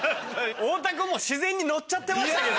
太田君も自然にノッちゃってましたけど。